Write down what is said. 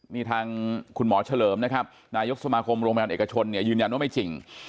นี่ทางคุณหมอเฉลิมนะครับนายกสมาคมโรงพยาบาลเอกชนเนี่ยยืนยันว่าไม่จริง